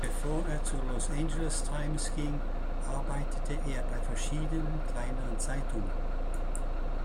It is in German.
Bevor er zur Los Angeles Times ging, arbeitete er bei verschiedenen kleineren Zeitungen.